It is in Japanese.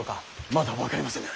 まだ分かりませぬ。